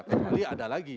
kembali ada lagi